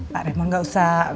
pak remon gak usah repotres